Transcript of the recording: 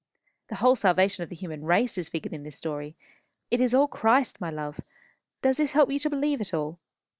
The whole salvation of the human race is figured in this story. It is all Christ, my love. Does this help you to believe at all?"